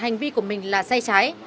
hành vi của mình là say trái